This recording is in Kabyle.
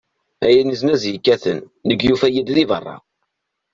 Ay aneznaz yekkaten, nekk yufa-yi-d di berra.